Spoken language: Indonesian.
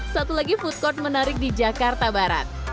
satu lagi food court menarik di jakarta barat